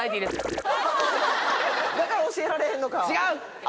だから教えられへんのか違う！